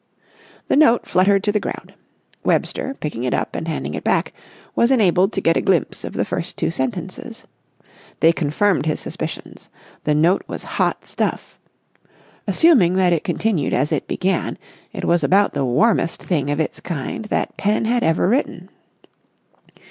The note fluttered to the ground. Webster, picking it up and handing it back, was enabled to get a glimpse of the first two sentences. They confirmed his suspicions. The note was hot stuff. Assuming that it continued as it began, it was about the warmest thing of its kind that pen had ever written.